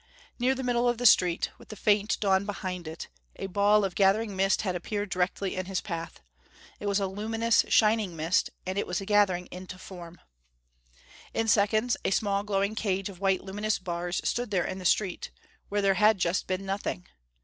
Near the middle of the street, with the faint dawn behind it, a ball of gathering mist had appeared directly in his path. It was a luminous, shining mist and it was gathering into form! In seconds a small, glowing cage of white luminous bars stood there in the street, where there had just been nothing!